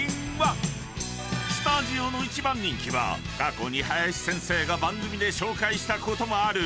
［スタジオの一番人気は過去に林先生が番組で紹介したこともある］